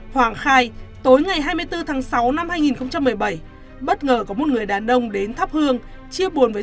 hoàng khai tối ngày hai mươi bốn tháng sáu năm hai nghìn một mươi bảy bất ngờ có một người đàn ông đến thắp hương chia buồn với